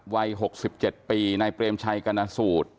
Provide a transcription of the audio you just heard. วัย๖๗ปีนายเปรมชัยกรณสูตร